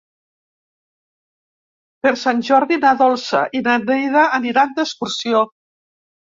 Per Sant Jordi na Dolça i na Neida aniran d'excursió.